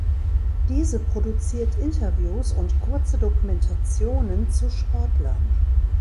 Diese produziert Interviews und kurze Dokumentationen zu Sportlern.